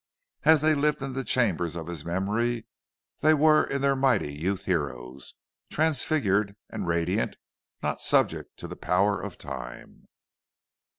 As they lived in the chambers of his memory, they were in their mighty youth—heroes, transfigured and radiant, not subject to the power of time.